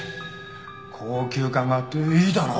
高級感があっていいだろう？